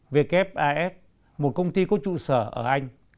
vkf af một công ty có trụ sở ở anh